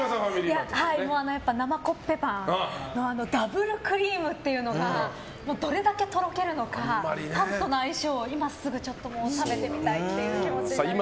生コッペパンのダブルクリームっていうのがどれだけとろけるのかパンとの相性を今すぐ食べてみたいっていう気持ちになりました。